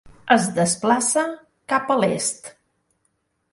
Es desplaça cap a l'est.